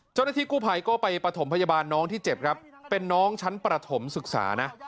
เจ้าหน้าที่กู้ภัยก็ไปประถมพยาบาลน้องที่เจ็บครับเป็นน้องชั้นประถมศึกษานะ